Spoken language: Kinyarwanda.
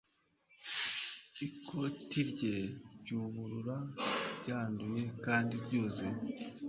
ikoti rye ry'ubururu ryanduye kandi ryuzuye